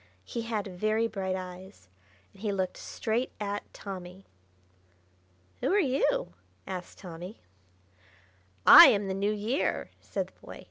He had very bright eyes, and he looked straight at Tommy. "Who are you?" asked Tommy. "I am the New Year!" said the boy.